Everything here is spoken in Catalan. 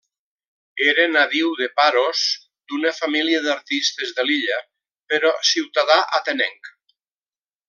Era nadiu de Paros, d'una família d'artistes de l'illa, però ciutadà atenenc.